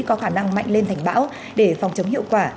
có khả năng mạnh lên thành bão để phòng chống hiệu quả